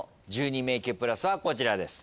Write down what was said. １２迷宮プラスはこちらです。